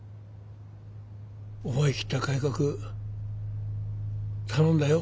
思い切った改革頼んだよ。